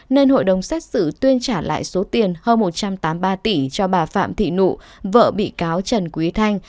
nên hội đồng xét xử tuyên trả lại số tiền hơn một trăm tám mươi ba tỷ cho bà phạm thị nụ vợ bị cáo trần quý thanh